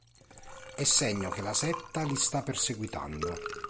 È segno che la setta li sta perseguitando.